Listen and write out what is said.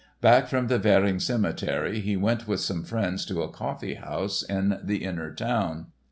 Back from the Währing cemetery he went with some friends to a coffee house in the "Inner Town."